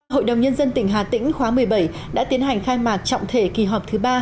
hội đồng nhân dân tỉnh hà tĩnh khóa một mươi bảy đã tiến hành khai mạc trọng thể kỳ họp thứ ba